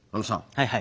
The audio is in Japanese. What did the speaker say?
はいはい。